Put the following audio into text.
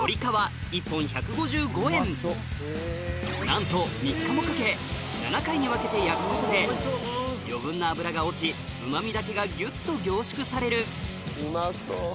なんと３日もかけ７回に分けて焼くことで余分な脂が落ちうま味だけがギュっと凝縮されるうまそう。